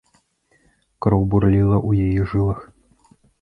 Кроў бурліла ў яе жылах.